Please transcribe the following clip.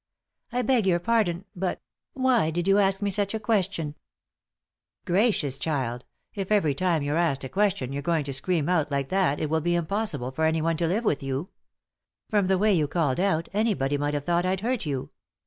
" I beg your pardon, but — why did you ask me such a question ?" "Gracious, child, if every time you're asked a question you're going to scream out like that it will K 145 THE INTERRUPTED KISS be impossible for anyone to live with you. From the way you called out anybody might have thought I'd hurt you.